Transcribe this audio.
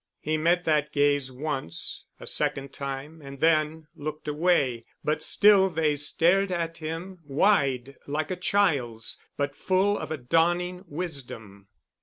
He met that gaze once—a second time, and then looked away, but still they stared at him, wide like a child's, but full of a dawning wisdom.